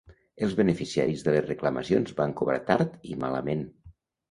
Els beneficiaris de les reclamacions van cobrar tard i malament.